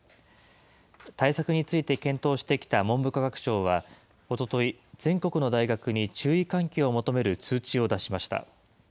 対策について検討してきた文部科学省は、おととい、全国の大学に注意喚起を求める通知を出しました。